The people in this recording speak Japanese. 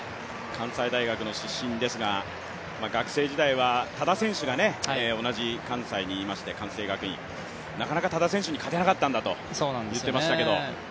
関西大学の出身ですが学生時代は多田選手が同じ関西にいまして関西学院、なかなか多田選手に勝てなかったと言ってましたけど。